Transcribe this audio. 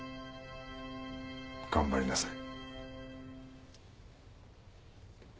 頑張りなさい。